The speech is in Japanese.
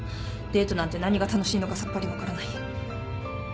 デートなんて何が楽しいのかさっぱり分からない。